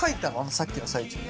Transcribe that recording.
さっきの最中に？